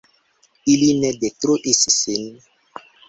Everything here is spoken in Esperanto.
Ili ne detruis sin.